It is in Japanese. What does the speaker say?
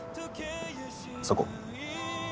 そこ。